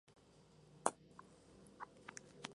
Su hermana mayor es la actriz Rebecca Croft.